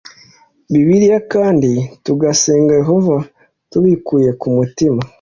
Bibiliya kandi tugasenga Yehova tubikuye ku mutima